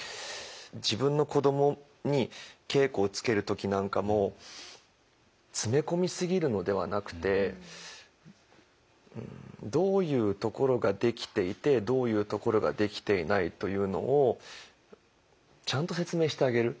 自分の子どもに稽古をつける時なんかも詰め込み過ぎるのではなくてどういうところができていてどういうところができていないというのをちゃんと説明してあげる。